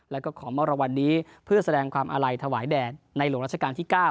แล้วก็ขอมอบรางวัลนี้เพื่อแสดงความอาลัยถวายแด่ในหลวงราชการที่๙